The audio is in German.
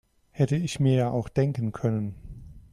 Hätte ich mir ja auch denken können.